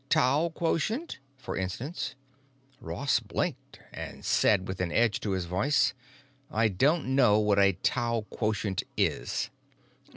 "Tau quotient?" for instance; Ross blinked and said, with an edge to his voice: "I don't know what a tau quotient is."